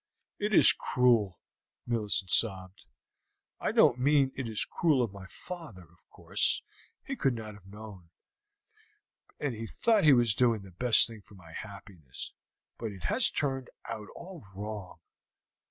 "It is cruel," Millicent sobbed. "I don't mean it is cruel of my father; of course he could not have known, and he thought he was doing the best thing for my happiness, but it has all turned out wrong."